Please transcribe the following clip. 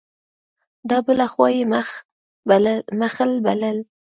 دا بله خوا یې مغل بلل.